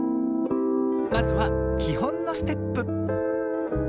まずはきほんのステップ。